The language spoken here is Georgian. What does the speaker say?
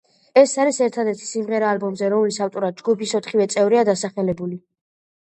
ეს არის ერთადერთი სიმღერა ალბომზე, რომლის ავტორად ჯგუფის ოთხივე წევრია დასახელებული.